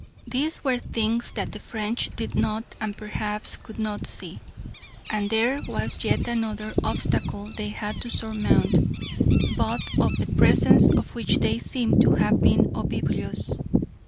These were things that the French did not and perhaps could not see. And there was yet another obstacle they had to surmount, but of the presence of which they seem to have been oblivious.